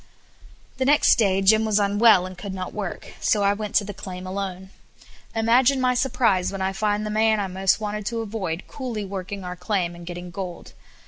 The next day Jim was unwell, and could not work; so I went to the claim alone. Imagine my surprise when I found the man I wanted most to avoid coolly working our claim, and getting gold.